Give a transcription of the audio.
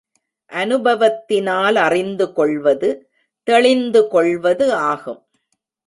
அநுபவத்தினால் அறிந்து கொள்வது தெளிந்து கொள்வது ஆகும்.